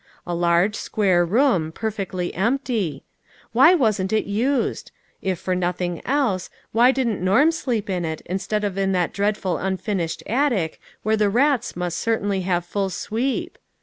A large square room, perfectly empty. Why wasn't it used ? If for nothing else, why didn't Norm sleep in it, instead of in that dreadful unfinished attic where the rats must certainly have full sweep?